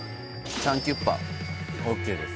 サンキュッパＯＫです